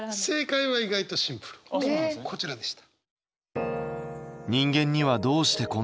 こちらでした。